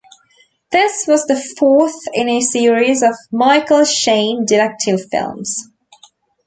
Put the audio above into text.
This was the fourth in a series of Michael Shayne detective films.